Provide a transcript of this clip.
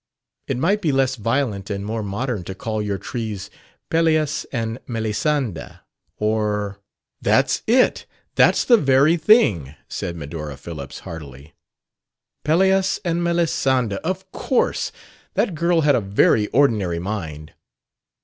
It might be less violent and more modern to call your trees Pelleas and Melisande, or " "That's it. That's the very thing!" said Medora Phillips heartily. "Pelleas and Melisande, of course. That girl had a very ordinary mind."